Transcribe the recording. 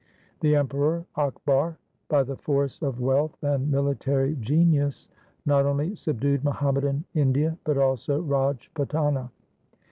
1 The Emperor Akbar by the force of wealth and military genius not only subdued Muhammadan India but also Rajputana.